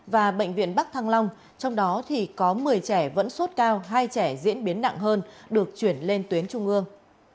và bệnh viện bắc thăng long trong đó thì có một mươi trẻ vẫn sốt cao hai trẻ diễn biến nặng hơn được chuyển lên tuyến trung ương